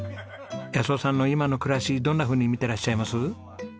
夫さんの今の暮らしどんなふうに見てらっしゃいます？